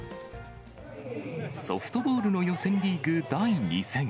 ソフトボールの予選リーグ第２戦。